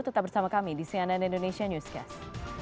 tetap bersama kami di cnn indonesia newscast